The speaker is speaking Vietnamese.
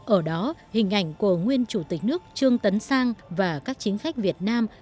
ở đó hình ảnh của nguyên chủ tịch nước trương tấn sang và các chính khách việt nam